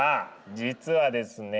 実はですね